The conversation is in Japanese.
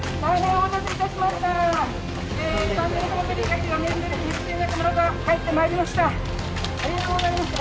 お待たせしました。